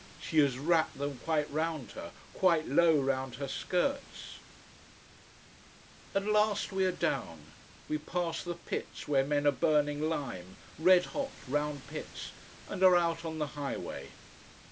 She has wrapped them quite round her, quite low round her skirts. At last we are down. We pass the pits where men are burning lime red hot, round pits and are out on the high way.